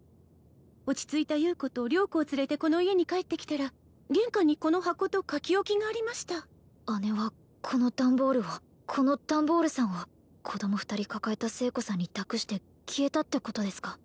落ち着いた優子と良子を連れてこの家に帰ってきたら玄関にこの箱と書き置きがありました義姉はこのダンボールをこのダンボールさんを子供２人抱えた清子さんに託して消えたってことですか？